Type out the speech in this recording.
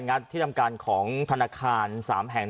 ัดที่ทำการของธนาคาร๓แห่ง